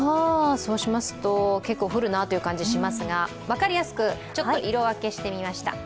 そうしますと結構降るなという感じがしますが分かりやすく、色分けしてみました